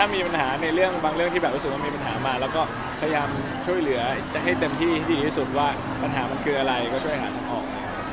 มีปัญหาในเรื่องบางเรื่องที่แบบรู้สึกว่ามีปัญหามาแล้วก็พยายามช่วยเหลือให้เต็มที่ให้ดีที่สุดว่าปัญหามันคืออะไรก็ช่วยหาทางออก